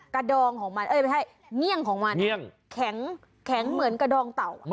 ดองของมันเอ้ยไม่ใช่เงี่ยงของมันแข็งเหมือนกระดองเต่า